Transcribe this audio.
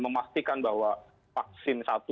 memastikan bahwa vaksin satu